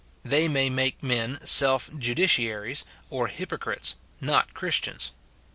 They may make men self justiciaries or hypocrites, not Christians.